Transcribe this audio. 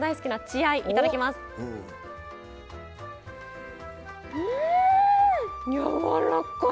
やわらかい！